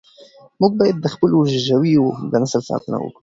موږ باید د خپلو ژویو د نسل ساتنه وکړو.